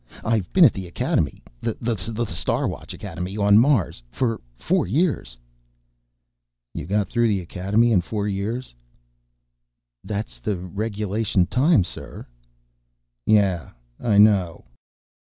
I've been at the Academy ... the Star Watch Academy on Mars ... for four years." "You got through the Academy in four years?" "That's the regulation time, sir." "Yes, I know."